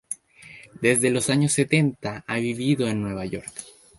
Desde los años setenta ha vivido en Nueva York.